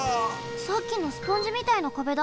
さっきのスポンジみたいな壁だ。